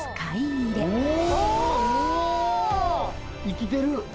生きてる！